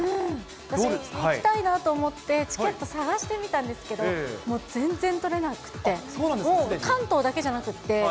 私、行きたいなと思って、チケット探してみたんですけど、もう全然取れなくって。